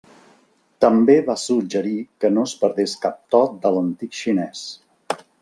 També va suggerir que no es perdés cap to de l'antic xinès.